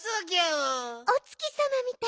おつきさまみたいね。